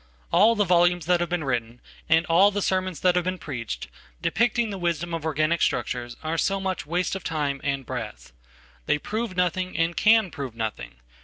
All the volumes that have been written and all the sermons that have been preached depicting the wisdom of organic structures are so much waste of time and breath. They prove nothing, and can prove nothing.